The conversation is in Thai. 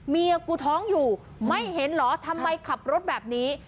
เมียกูท้องอยู่ไม่เห็นเหรอทำไมขับรถแบบนี้